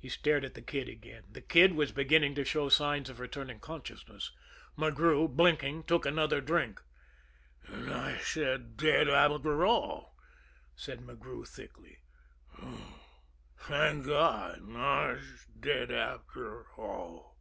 He stared at the Kid again. The Kid was beginning to show signs of returning consciousness. McGrew, blinking, took another drink. "Nosh dead, after all," said McGrew thickly. "Thank God, nosh dead, after all!"